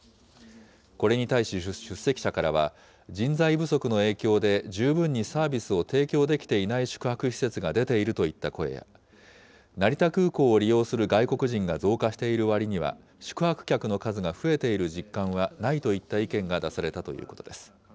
これに対し出席者からは、人材不足の影響で、十分にサービスを提供できていない宿泊施設が出ているといった声や、成田空港を利用する外国人が増加しているわりには、宿泊客の数が増えている実感はないといった意見が出されたということです。